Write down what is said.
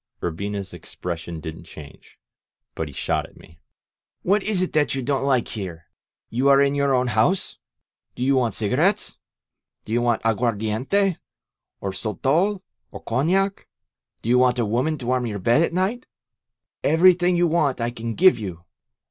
Urbina's expression didn't change, but he shot at me: ^^What is it that you don't like here? You are in your own house! Do you want cigarettes? Do you want aguardiente, or sotol, or cognac? Do you want a woman to warm your bed at night? Everything you want I can give you!